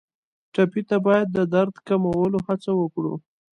ټپي ته باید د درد کمولو هڅه وکړو.